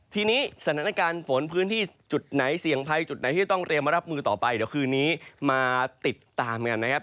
ทีนี้สถานการณ์ฝนพื้นที่จุดไหนเสี่ยงภัยจุดไหนที่จะต้องเตรียมมารับมือต่อไปเดี๋ยวคืนนี้มาติดตามกันนะครับ